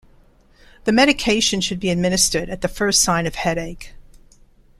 The medication should be administered at the first sign of headache.